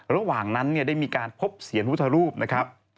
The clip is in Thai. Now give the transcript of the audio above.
ระหว่างนั้นได้มีการพบเสียรพุทธรูปนะครับ